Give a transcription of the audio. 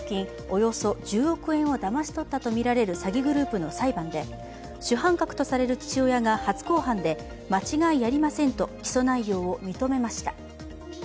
およそ１０億円をだまし取ったとみられる詐欺グループの裁判で主犯格とされる父親が初公判で、間違いありませんと起訴内容を認めました。